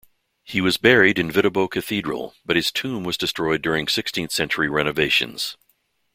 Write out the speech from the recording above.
He was buried in Viterbo Cathedral, but his tomb was destroyed during sixteenth-century renovations.